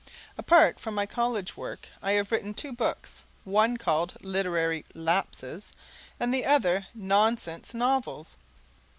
Apart from my college work, I have written two books, one called "Literary Lapses" and the other "Nonsense Novels."